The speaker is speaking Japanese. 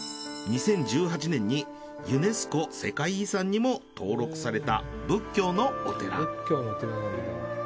２０１８年にユネスコ世界遺産にも登録された仏教のお寺。